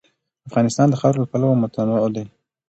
افغانستان د خاوره له پلوه متنوع دی.